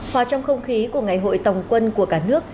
hòa trong không khí của ngày hội tòng quân của cả nước